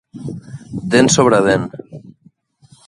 Dent sobre dent.